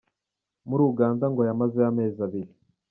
Muri Uganda ngo yamazeyo amezi abiri.